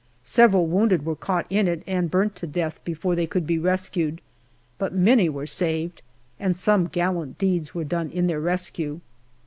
Several wounded were caught in it and burnt to death before they could be rescued, but many were saved, and some gallant deeds were done in their rescue.